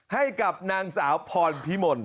ให้กับนางสาวพรพิมล